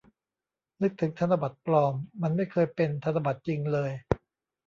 นึกถึงธนบัตรปลอม มันไม่เคยเป็นธนบัตรจริงเลย